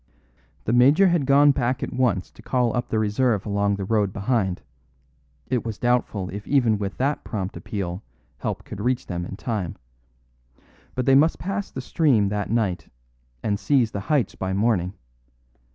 The major had gone back at once to call up the reserve along the road behind; it was doubtful if even with that prompt appeal help could reach them in time. But they must pass the stream that night, and seize the heights by morning.